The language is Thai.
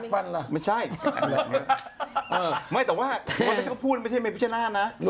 นิงลงไอจีว่าโดดภายในมา